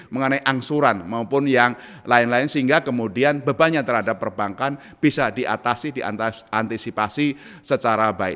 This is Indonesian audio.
mengenai angsuran maupun yang lain lain sehingga kemudian beban yang terhadap perbankan bisa diatasi diantarakan